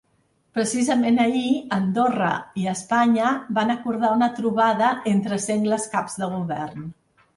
Precisament ahir, Andorra i Espanya van acordar una trobada entre sengles caps de govern.